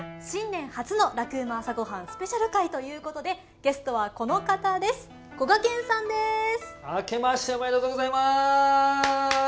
新年初の「ラクうま！朝ごはん」スペシャル回ということでゲストはこの方です、こがけんさんです。